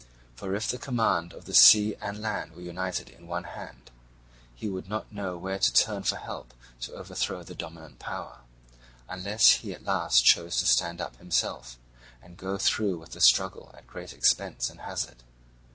For if the command of the sea and land were united in one hand, he would not know where to turn for help to overthrow the dominant power; unless he at last chose to stand up himself, and go through with the struggle at great expense and hazard.